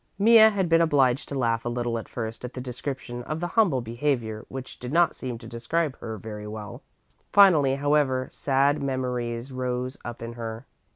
Mea had been obliged to laugh a little at first at the description of the humble behaviour which did not seem to describe her very well. Finally, however, sad memories rose up in her.